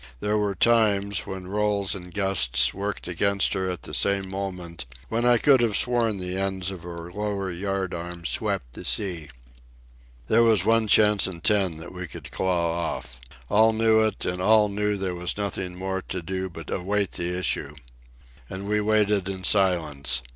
There were times, when rolls and gusts worked against her at the same moment, when I could have sworn the ends of her lower yardarms swept the sea. It was one chance in ten that we could claw off. All knew it, and all knew there was nothing more to do but await the issue. And we waited in silence.